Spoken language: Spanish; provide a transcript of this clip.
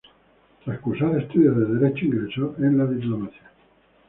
Tras cursar estudios de Derecho, ingresó en la diplomacia.